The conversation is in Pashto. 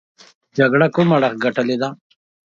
جګړه کوم اړخ ګټلې ده.